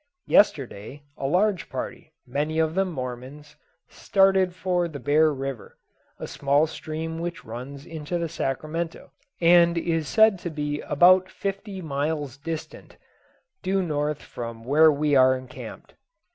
Yesterday, a large party many of them Mormons started for the Bear River, a small stream which runs into the Sacramento, and is said to be about fifty miles distant, due north from where we are encamped.